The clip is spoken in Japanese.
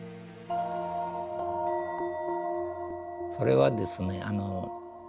それはですね